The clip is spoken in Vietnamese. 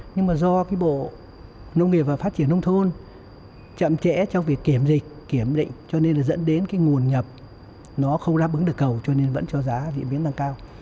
nhưng mà do cái bộ nông nghiệp và phát triển nông thôn chậm trễ trong việc kiểm dịch kiểm định cho nên là dẫn đến cái nguồn nhập nó không đáp ứng được cầu cho nên vẫn cho giá diễn biến tăng cao